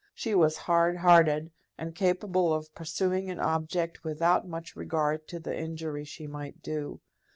She was hardhearted, and capable of pursuing an object without much regard to the injury she might do.